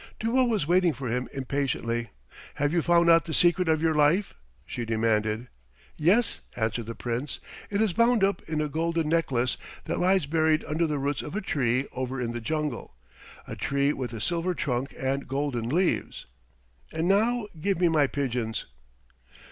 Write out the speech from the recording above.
Duo was waiting for him impatiently. "Have you found out the secret of your life?" she demanded. "Yes," answered the Prince. "It is bound up in a golden necklace that lies buried under the roots of a tree over in the jungle, a tree with a silver trunk and golden leaves. And now give me my pigeons."